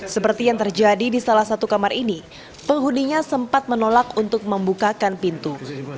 seperti yang terjadi di salah satu kamar ini penghuninya sempat menolak untuk membukakan pintu